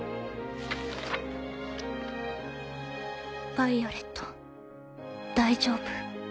「ヴァイオレット大丈夫？